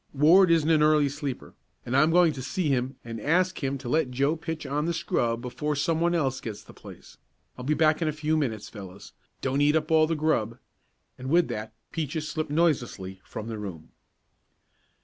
Ward isn't an early sleeper, and I'm going to see him and ask him to let Joe pitch on the scrub before some one else gets the place. I'll be back in a few minutes, fellows. Don't eat up all the grub," and with that Peaches slipped noiselessly from the room.